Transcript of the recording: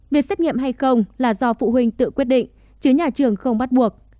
việc xét nghiệm hay không là do phụ huynh tự quyết định chứ nhà trường không bắt buộc